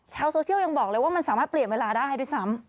ชาวโซเชียลยังบอกเลยว่ามันสามารถเปลี่ยนเวลาได้ด้วยซ้ำ